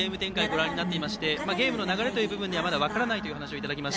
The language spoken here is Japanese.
ご覧になっていましてゲームの流れという部分ではまだ分からないという話でした。